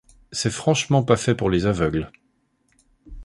C'est Franchement Pas Fait Pour Les Aveugles.